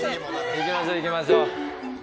行きましょ行きましょ。